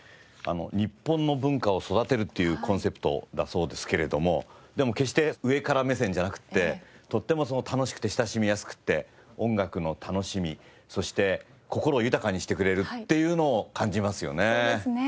日本の文化を育てるっていうコンセプトだそうですけれどもでも決して上から目線じゃなくてとっても楽しくて親しみやすくて音楽の楽しみそして心を豊かにしてくれるっていうのを感じますよね。